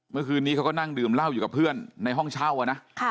เมื่อคืนนี้เขาก็นั่งดื่มเหล้าอยู่กับเพื่อนในห้องเช่านะ